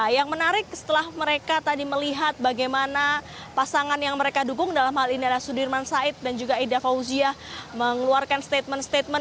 yang menarik setelah mereka tadi melihat bagaimana pasangan yang mereka dukung dalam hal ini adalah sudirman said dan juga ida fauzia mengeluarkan statement statement